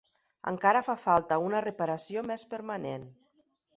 Encara fa falta una reparació més permanent.